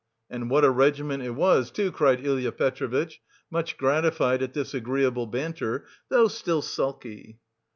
"And what a regiment it was, too," cried Ilya Petrovitch, much gratified at this agreeable banter, though still sulky.